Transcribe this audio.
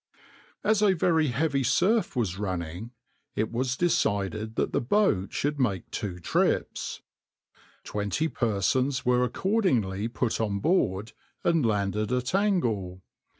\par As a very heavy surf was running, it was decided that the boat should make two trips. Twenty persons were accordingly put on board and landed at Angle.